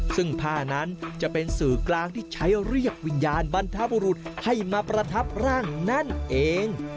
ซึ่งผ้านั้นจะเป็นสื่อกลางที่ใช้เรียกวิญญาณบรรทบุรุษให้มาประทับร่างนั่นเอง